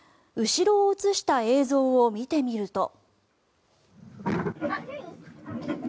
後ろを映した映像を見てみると。